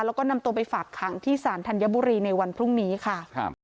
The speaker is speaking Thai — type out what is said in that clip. แล้วก็นำตัวไปฝากขังที่สารธัญบุรีในวันพรุ่งนี้ค่ะครับ